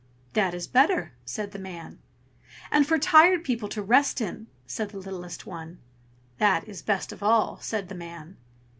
"That is better!" said the man. "And for tired people to rest in!" said the littlest one. "That is best of all!" said the man.